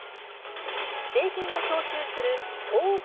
税金を徴収する徴税